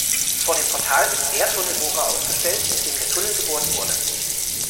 Vor dem Portal ist der Tunnelbohrer ausgestellt, mit dem der Tunnel gebohrt wurde.